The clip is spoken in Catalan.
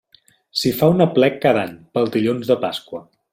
S'hi fa un aplec cada any, pel dilluns de Pasqua.